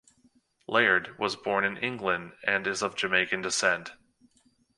Laird was born in England and is of Jamaican descent.